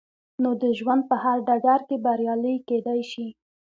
نو د ژوند په هر ډګر کې بريالي کېدای شئ.